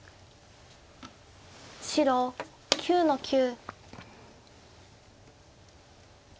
白９の九。